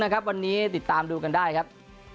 วันนี้ติดตามดูกันได้ครับ